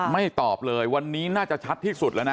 ตอบเลยวันนี้น่าจะชัดที่สุดแล้วนะ